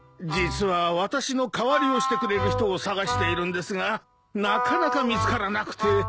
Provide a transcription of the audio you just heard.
実は私の代わりをしてくれる人を探しているんですがなかなか見つからなくて。